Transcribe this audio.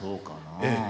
ええ。